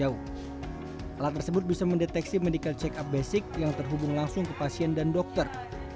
alat tersebut bisa mendeteksi medical check up basic yang terhubung langsung ke pasien dan dokter